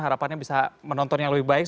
harapannya bisa menonton yang lebih baik